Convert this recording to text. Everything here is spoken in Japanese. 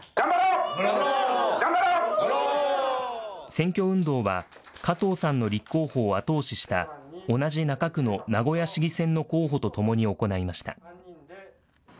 選挙運動は、加藤さんの立候補を後押しした、同じ中区の名古屋市議選の候補とともに行いました。